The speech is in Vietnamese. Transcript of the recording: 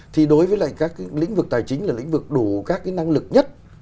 thì đối với các lĩnh vực tài chính là lĩnh vực đủ các năng lực nhất